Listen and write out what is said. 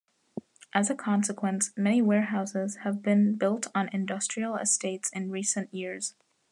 As a consequence many warehouses have been built on industrial estates in recent years.